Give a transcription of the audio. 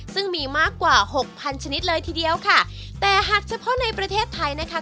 ซึ่งมีมากกว่าหกพันชนิดเลยทีเดียวค่ะแต่หากเฉพาะในประเทศไทยนะคะ